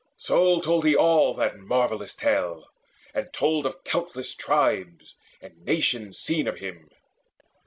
So told he all that marvellous tale, and told Of countless tribes and nations seen of him.